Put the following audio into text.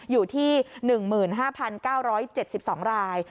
อยู่ที่๑๕๙๗๒ราย